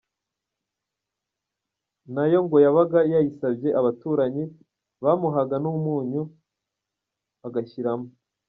Na yo ngo yabaga yayisabye abaturanyi, bamuhaga n’umunyu agashyiramo.